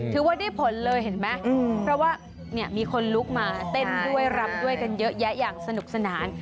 ถือว่าได้ผลเลยเห็นไหมเพราะว่ามีคนลุกมาเต้นด้วยรำด้วยกันเยอะแยะอย่างสนุกสนาน